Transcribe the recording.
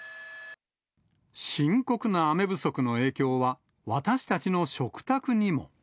深刻な雨不足の影響は、私たちの食卓にも。